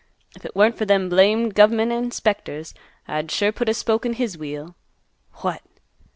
If it weren't for them blamed gov' ment inspectors, I'd sure put a spoke in his wheel. What!